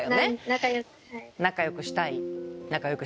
仲よくしたい。